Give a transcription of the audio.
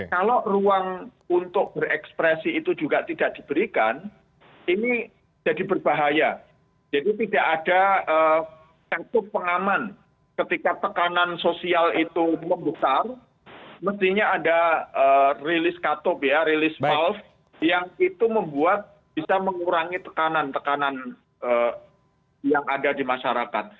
kalau ruang untuk berekspresi itu juga tidak diberikan ini jadi berbahaya jadi tidak ada katup pengaman ketika tekanan sosial itu membukar mestinya ada release katup ya release valve yang itu membuat bisa mengurangi tekanan tekanan yang ada di masyarakat